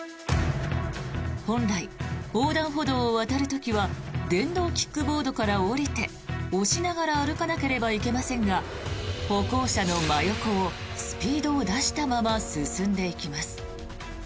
本来、横断歩道を渡る時は電動キックボードから降りて押しながら歩かなければいけませんが歩行者の真横をスピードを出したまま進んでいきます。